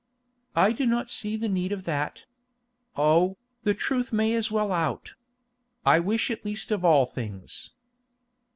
"I do not see the need of that. Oh, the truth may as well out. I wish it least of all things."